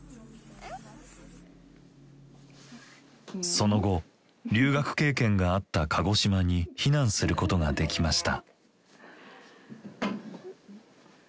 その後留学経験があった鹿児島に避難することができました。